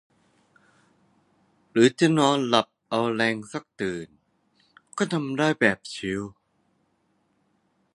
หรือจะนอนหลับเอาแรงสักตื่นก็ทำได้แบบชิล